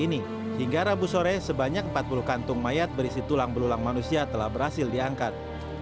ini hingga rabu sore sebanyak empat puluh kantung mayat berisi tulang belulang manusia telah berhasil diangkat